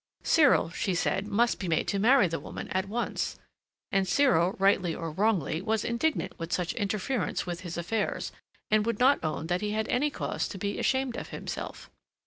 Cyril, she said, must be made to marry the woman at once; and Cyril, rightly or wrongly, was indignant with such interference with his affairs, and would not own that he had any cause to be ashamed of himself.